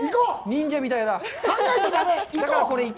忍者みたいだ。